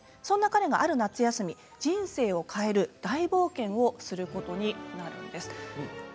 そんな彼がある夏休み人生を変える大冒険をすることになるんです。